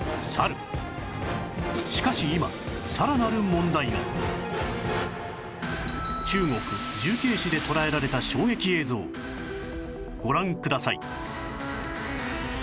しかし今中国重慶市で捉えられた衝撃映像ご覧ください